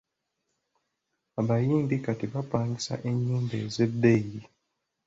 Abayimbi kati bapangisa ennyumba ez’ebbeeyi.